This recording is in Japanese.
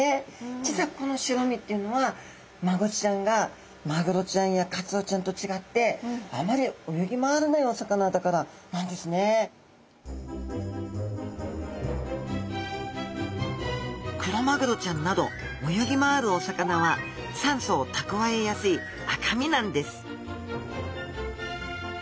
実はこの白身っていうのはマゴチちゃんがマグロちゃんやカツオちゃんと違ってクロマグロちゃんなど泳ぎ回るお魚は酸素を蓄えやすい赤身なんです